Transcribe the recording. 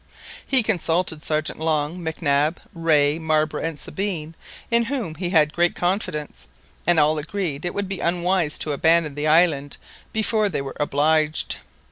He consulted Sergeant Long, Mac Nab, Rae, Marbre, and Sabine, in whom he had great confidence, and all agreed that it would be unwise to abandon the island before they were obliged.